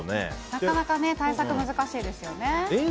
なかなか対策難しいですよね。